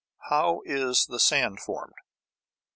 How is the sand formed?